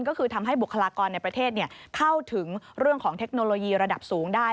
ก็คือทำให้บุคลากรในประเทศเข้าถึงเรื่องของเทคโนโลยีระดับสูงได้